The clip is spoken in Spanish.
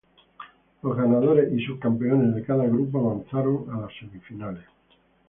Los ganadores y subcampeones de cada grupo avanzaron a las semifinales.